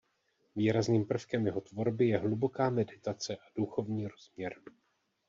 Výrazným prvkem jeho tvorby je hluboká meditace a duchovní rozměr.